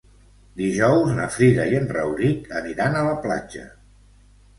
Dijous na Frida i en Rauric aniran a la platja.